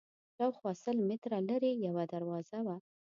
شاوخوا سل متره لرې یوه دروازه وه.